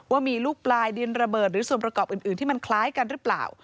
ว่ามีลูกปลายดินระเบิดหรือส่วนประกอบอื่นที่มันคล้ายกันหรือเปล่า